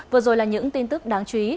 vừa rồi là những tin tức đáng chú ý